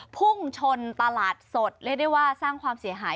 พุ่งชนตลาดสดเรียกได้ว่าสร้างความเสียหาย